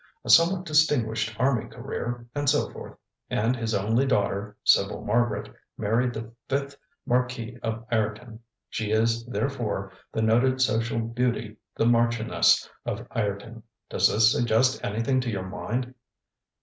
ŌĆ£A somewhat distinguished army career, and so forth, and his only daughter, Sybil Margaret, married the fifth Marquis of Ireton. She is, therefore, the noted society beauty, the Marchioness of Ireton. Does this suggest anything to your mind?